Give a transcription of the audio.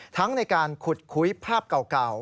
ทั้งในการขุดคุยภาพเก่า